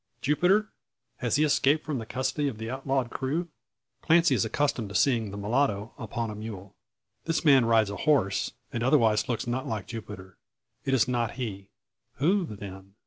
Jupiter? Has he escaped from the custody of the outlawed crew?" Clancy is accustomed to seeing the mulatto upon a mule. This man rides a horse, and otherwise looks not like Jupiter. It is not he. Who, then?